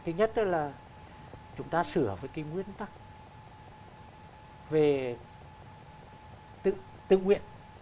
thứ nhất đó là chúng ta sửa với cái nguyên tắc về tư nguyện